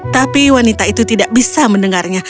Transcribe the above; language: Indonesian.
tapi wanita itu tidak bisa mendengarnya